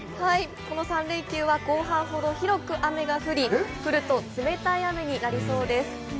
この３連休は後半ほど広く雨が降り、降ると冷たい雨になりそうです。